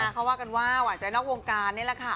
เขาว่ากันว่าหวานใจนอกวงการนี่แหละค่ะ